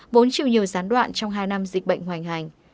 vốn chịu nhiều gián đoạn trong hai năm dịch bệnh hoành hành